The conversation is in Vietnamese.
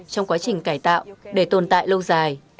trong quá trình cải tạo để tồn tại lâu dài